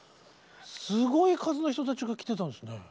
すごい数の人たちが来てたんですね。